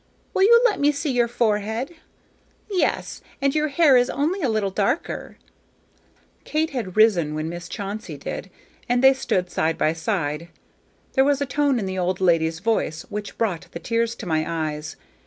Will you let me see your forehead? Yes; and your hair is only a little darker." Kate had risen when Miss Chauncey did, and they stood side by side. There was a tone in the old lady's voice which brought the tears to my eyes.